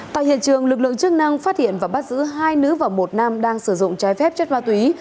tại hiện trường lực lượng chức năng phát hiện và bắt giữ hai nữ và một nam đang sử dụng trái phép chất ma túy